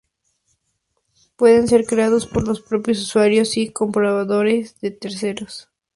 Pueden ser creados por los propios usuarios o comprados a terceros.